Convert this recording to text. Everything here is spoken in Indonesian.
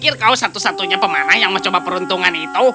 pikir kau satu satunya pemarah yang mencoba peruntungan itu